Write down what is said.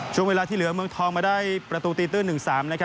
ช่วงเวลาที่เหลือเมืองทองมาได้ประตูตีตื้น๑๓